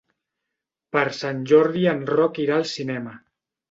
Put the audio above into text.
Per Sant Jordi en Roc irà al cinema.